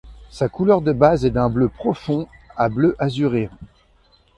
Sa couleur de base est d'un bleu profond à bleu azuréen.